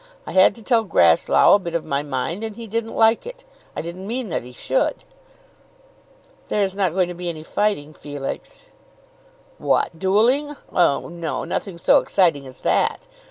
I had to tell Grasslough a bit of my mind, and he didn't like it. I didn't mean that he should." "There is not going to be any fighting, Felix?" "What, duelling; oh no, nothing so exciting as that.